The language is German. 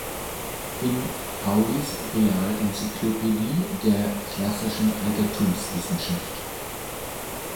In: "Paulys Realencyclopädie der classischen Altertumswissenschaft".